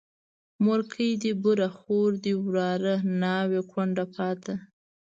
مورکۍ دي بوره، خور دي وراره، ناوې کونډه پاته